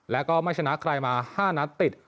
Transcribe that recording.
แล้วก็ไม่ชนะใครมา๕นัดติด